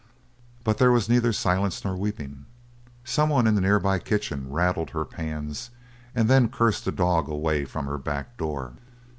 But there was neither silence nor weeping. Someone in a nearby kitchen rattled her pans and then cursed a dog away from her back door.